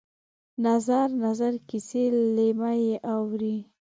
نظر، نظر کسي لېمه یې اورې